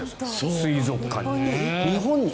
水族館に。